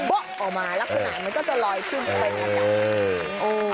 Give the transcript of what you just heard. ออกมาแล้วขนาดมันก็จะลอยขึ้นไป